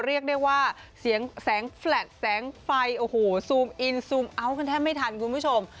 เรียกได้ว่าเสียงแสงแฟลตแสงไฟโอ้โหซูมอินซูมเอาท์กันแทบไม่ทันคุณผู้ชม